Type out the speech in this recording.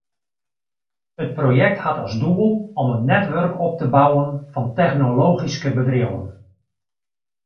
It projekt hat as doel om in netwurk op te bouwen fan technologyske bedriuwen.